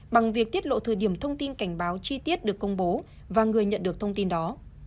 bằng việc tiết lộ thời điểm thông tin cảnh báo chi tiết được công bố và người nhận được thông tin đó